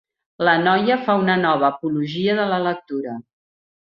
La noia fa una nova apologia de la lectura.